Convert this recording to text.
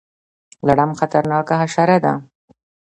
لړم خطرناکه حشره ده